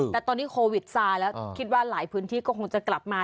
แต่ตอนนี้โควิดซาแล้วคิดว่าหลายพื้นที่ก็คงจะกลับมา